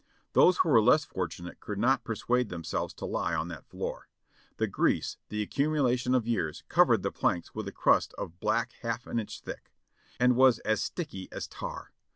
Those who were less fortunate could not persuade themselves to lie on that floor. The grease, the accumulation of years, covered the planks with a crust of black half an inch thick, and was as sticky as tar.